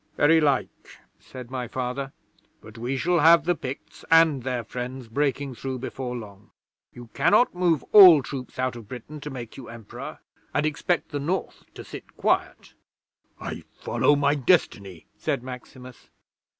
'"Very like," said my Father. "But we shall have the Picts and their friends breaking through before long. You cannot move all troops out of Britain to make you Emperor, and expect the North to sit quiet." '"I follow my destiny," said Maximus.